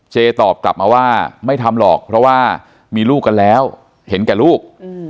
ตอบกลับมาว่าไม่ทำหรอกเพราะว่ามีลูกกันแล้วเห็นแก่ลูก